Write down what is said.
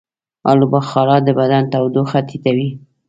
آلوبخارا د بدن تودوخه ټیټوي.